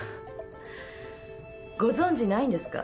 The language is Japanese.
ご存じないんですか？